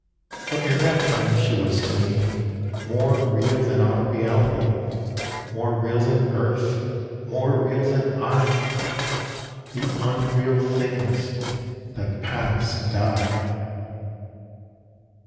For in that time she was to me More real than our reality; More real than Earth, more real than I The unreal things that pass and die.